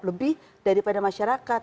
lebih daripada masyarakat